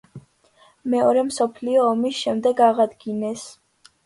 მეორე მსოფლიო ომის შემდეგ აღადგინეს.